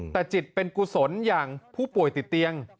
แต่จิตเป็นกุศลอย่างผู้ป่วยติดเตียง